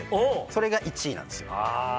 それが１位なんですよ。